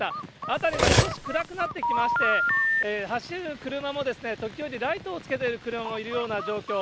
辺りが少し暗くなってきまして、走る車も、時折ライトをつけている車もいるような状況。